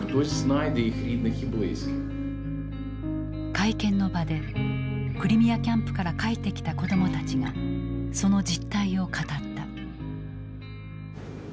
会見の場でクリミアキャンプから帰ってきた子どもたちがその実態を語った。